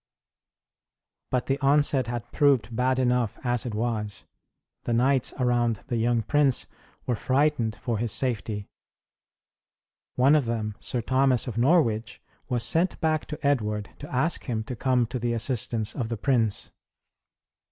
But the onset had proved bad enough as it was. The knights around the young prince were frightened for his safety. One of them, Sir Thomas of Norwich, was sent hack to Edward to ask him to come to the assistance of the prince.